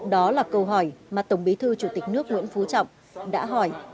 đó là câu hỏi mà tổng bí thư chủ tịch nước nguyễn phú trọng đã hỏi